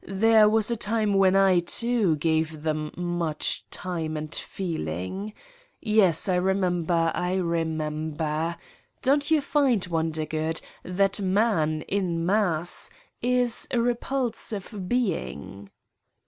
There was a time when I, too, gave them much time and feel ing. Yes, I remember, I remember. ... Don't you find, Wondergood, that man, in mass, is a repulsive being